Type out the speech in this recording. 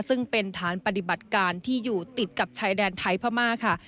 ซึ่งเป็นฐานปฏิบัติการที่อยู่ติดกับชายแดนไทยพม่าค่ะ